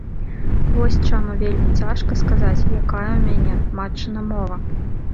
Вось чаму вельмі цяжка сказаць, якая ў мяне матчына мова.